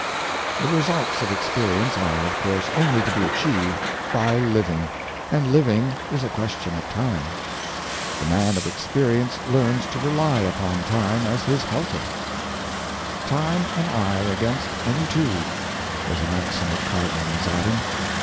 The results of experience are, of course, only to be achieved by living; and living is a question of time. The man of experience learns to rely upon Time as his Touthful Ardor. 623 helper. " Time and I against any two,'' was a maxim of Cardinal Mazarin.